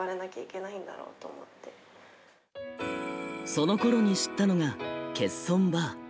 そのころに知ったのが欠損バー。